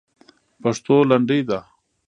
پښتو لنډۍ ده.